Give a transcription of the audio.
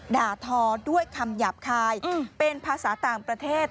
ด่าทอด้วยคำหยาบคายเป็นภาษาต่างประเทศ